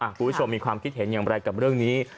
คุณผู้ชมมีความคิดเห็นอย่างไรกับเรื่องนี้